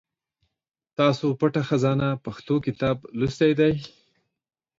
تاسو پټه خزانه پښتو کتاب لوستی دی ؟